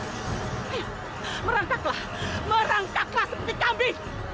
ini merangkaklah merangkaklah seperti kami